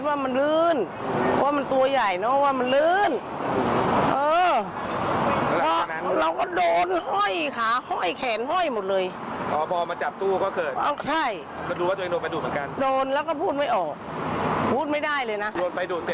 เหลือจะโดนไปดู้เสร็จแล้วตอนที่ฟื้นตะติขึ้นมานี่เกิด